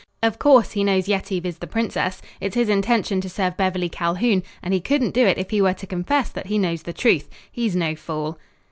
Of course, he knows Yetive is the princess. It's his intention to serve Beverly Calhoun, and he couldn't do it if he were to confess that he knows the truth. He's no fool."